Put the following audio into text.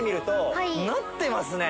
なってますね。